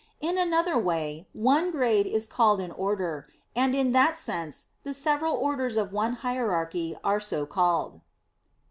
In another way one grade is called an order; and in that sense the several orders of one hierarchy are so called.